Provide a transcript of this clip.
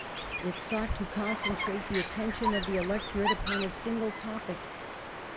It sought to con centrate the attention of the electorate upon a single topic.